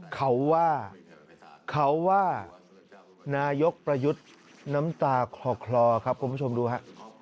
เขาว่าเขาว่านายกประยุทธ์น้ำตาคลอครับคุณผู้ชมดูฮะ